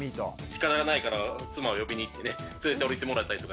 しかたがないから妻を呼びに行ってね連れておりてもらったりとかやってますね。